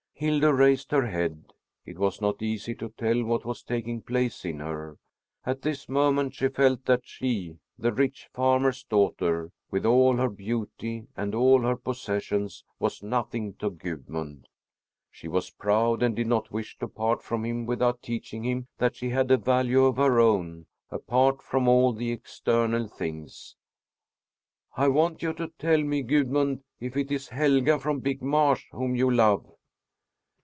Hildur raised her head. It was not easy to tell what was taking place in her. At this moment she felt that she, the rich farmer's daughter, with all her beauty and all her possessions, was nothing to Gudmund. She was proud and did not wish to part from him without teaching him that she had a value of her own, apart from all the external things. "I want you to tell me, Gudmund, if it is Helga from Big Marsh whom you love."